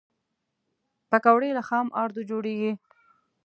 پکورې له خام آردو جوړېږي